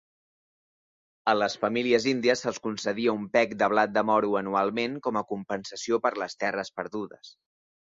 A les famílies índies se'ls concedia un "peck" de blat de moro anualment com a compensació per les terres perdudes.